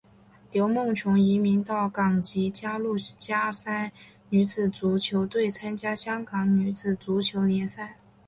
刘梦琼移民到港即加入加山女子足球队参加香港女子足球联赛。